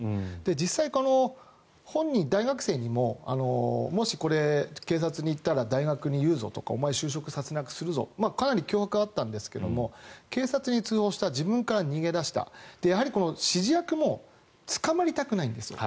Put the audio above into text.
実際、本人、大学生にももしこれ警察に言ったら大学に言うぞとかお前、就職させなくするぞかなり脅迫があったんですが警察に通報した自分から逃げ出したやはり指示役も捕まりたくないんですよ。